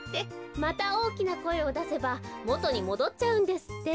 またおおきなこえをだせばもとにもどっちゃうんですって。